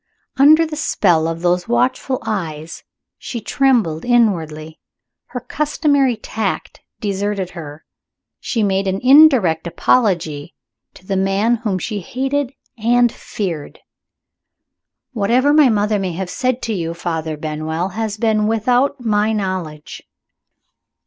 Under the spell of those watchful eyes she trembled inwardly; her customary tact deserted her; she made an indirect apology to the man whom she hated and feared. "Whatever my mother may have said to you, Father Benwell, has been without my knowledge."